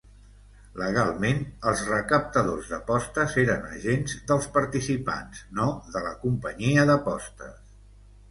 Legalment, els recaptadors d'apostes eren agents dels participants, no de la companyia d'apostes.